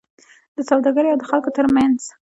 د سوداګرۍاو د خلکو ترمنځ